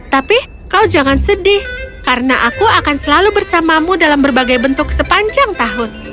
tapi kau jangan sedih karena aku akan selalu bersamamu dalam berbagai bentuk sepanjang tahun